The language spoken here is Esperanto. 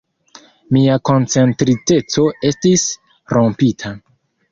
Mia koncentriteco estis rompita.